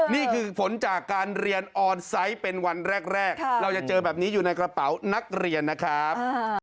นี่คือผลจากการเรียนออนไซต์เป็นวันแรกเราจะเจอแบบนี้อยู่ในกระเป๋านักเรียนนะครับ